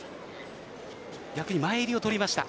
逆に前襟を取りました。